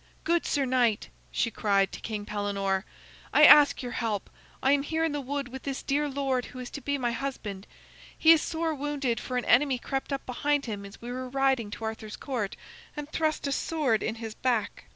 "Good sir knight," she cried to King Pellenore, "I ask your help. I am here in the wood with the dear lord who is to be my husband. He is sore wounded, for an enemy crept up behind him as we were riding to Arthur's Court, and thrust a sword in his back."